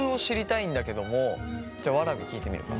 じゃあわらびに聞いてみるか。